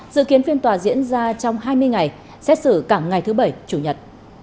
dự kiến phiên tòa diễn ra trong hai mươi ngày xét xử cả ngày thứ bảy chủ nhật